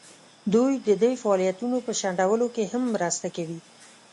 دوی د دې فعالیتونو په شنډولو کې هم مرسته کوي.